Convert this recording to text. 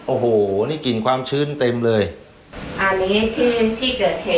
โอ้โหนี่กลิ่นความชื้นเต็มเลยอันนี้ที่ที่เกิดเหตุที่ว่าเป็นข่าวตามคลิปหรือเปล่า